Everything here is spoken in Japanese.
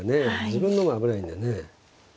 自分の方が危ないんだよね。